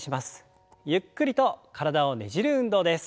ゆっくりと体をねじる運動です。